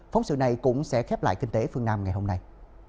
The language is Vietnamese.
phóng sự này cũng sẽ khép lại kinh tế phương nam ngày hôm nay